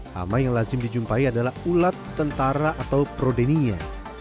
hama yang lazim dijumpai adalah ulat tentara atau prodeninya